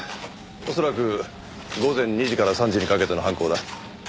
恐らく午前２時から３時にかけての犯行だ。